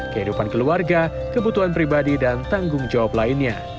kehidupan keluarga kebutuhan pribadi dan tanggung jawab lainnya